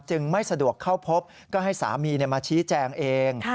ไม่สะดวกเข้าพบก็ให้สามีมาชี้แจงเอง